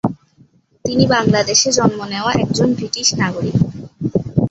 তিনি বাংলাদেশে জন্ম নেওয়া একজন ব্রিটিশ নাগরিক।